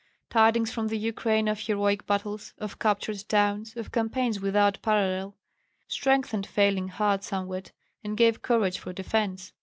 Tidings from the Ukraine of heroic battles, of captured towns, of campaigns without parallel, strengthened failing hearts somewhat, and gave courage for defence.